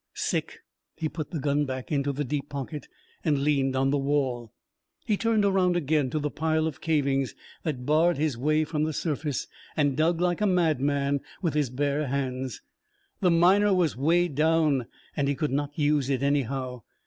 Sick, he put the gun back into the deep pocket and leaned on the wall. He turned around again to the pile of cavings that barred his way from the surface, and dug like a madman with his bare hands. The Miner was weighed down, and he could not use it anyhow.